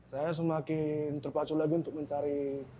saya semakin terpacu lagi untuk mencari